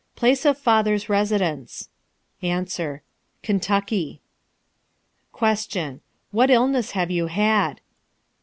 Place of father's residence? A. Kentucky. Q. What illness have you had?